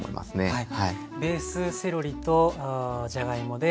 はい。